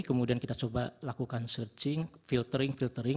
kemudian kita coba lakukan searching filtering filtering